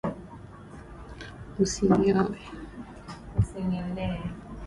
Usinioe